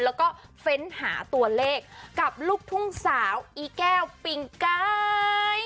แล้วก็เฟ้นหาตัวเลขกับลูกทุ่งสาวอีแก้วปิงกาย